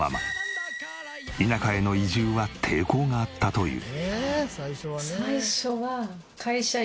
田舎への移住は抵抗があったという。